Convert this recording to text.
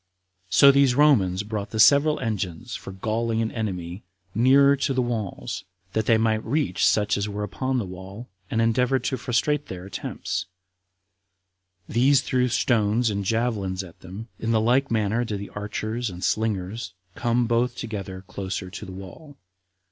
So these Romans brought the several engines for galling an enemy nearer to the walls, that they might reach such as were upon the wall, and endeavored to frustrate their attempts; these threw stones and javelins at them; in the like manner did the archers and slingers come both together closer to the wall.